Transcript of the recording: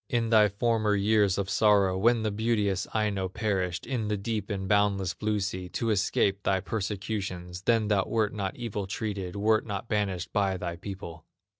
In thy former years of sorrow, When the beauteous Aino perished In the deep and boundless blue sea, To escape thy persecutions, Then thou wert not evil treated, Wert not banished by thy people."